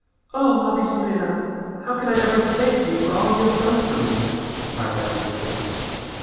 "O, Labismena! How can I ever thank you for all you have done for me?" cried Dionysia.